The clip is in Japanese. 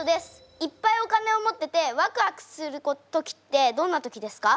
いっぱいお金を持っててワクワクする時ってどんな時ですか？